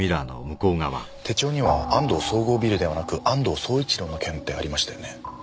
手帳には「安藤総合ビル」ではなく「安藤総一郎の件」ってありましたよね？